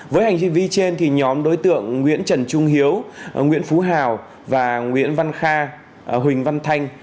với hành vi vi trên thì nhóm đối tượng nguyễn trần trung hiếu nguyễn phú hào và nguyễn văn kha huỳnh văn thanh